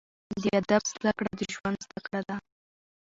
د ادب زده کړه، د ژوند زده کړه ده.